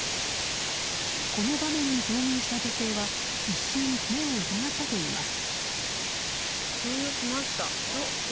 この場面に遭遇した女性は一瞬目を疑ったといいます。